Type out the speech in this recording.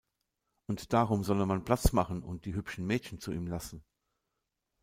Und darum solle man Platz machen und die hübschen Mädchen zu ihm lassen.